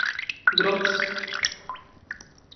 Grobs.